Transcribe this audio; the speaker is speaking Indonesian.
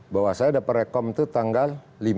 bahwa saya dapat rekom itu tanggal lima